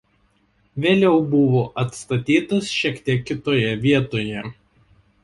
Vėliau buvo atstatytas šiek tiek kitoje vietoje.